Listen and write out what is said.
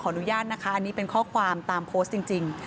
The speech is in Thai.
อนุญาตนะคะอันนี้เป็นข้อความตามโพสต์จริง